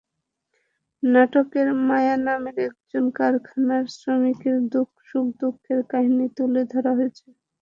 নাটকে মায়া নামের একজন কারখানার শ্রমিকের সুখ-দুঃখের কাহিনি তুলে ধরা হয়েছে।